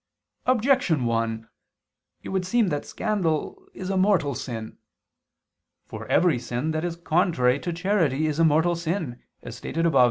Objection 1: It would seem that scandal is a mortal sin. For every sin that is contrary to charity is a mortal sin, as stated above (Q.